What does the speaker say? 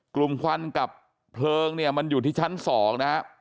ควันกับเพลิงเนี่ยมันอยู่ที่ชั้น๒นะฮะ